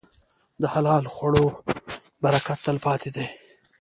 د حلال خوړو برکت تل پاتې دی.